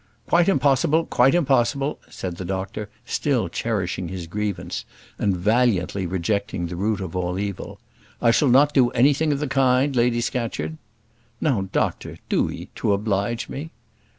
"Quite impossible, quite impossible," said the doctor, still cherishing his grievance, and valiantly rejecting the root of all evil. "I shall not do anything of the kind, Lady Scatcherd." "Now doctor, do 'ee; to oblige me."